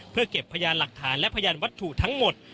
เพื่อเก็บพยานหลักฐานและพยานวัตถุทั้งหมด